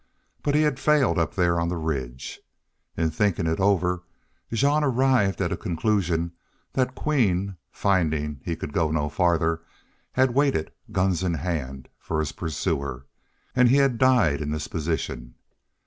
But he had failed up there on the ridge. In thinking it over Jean arrived at a conclusion that Queen, finding he could go no farther, had waited, guns in hands, for his pursuer. And he had died in this position.